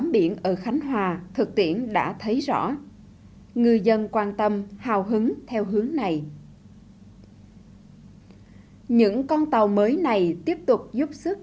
đến đây đã hết thời lượng của chương trình